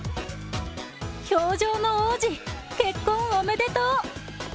氷上の王子、結婚おめでとう！